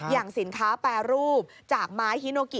อย่างสินค้าแปรรูปจากไม้ฮิโนกิ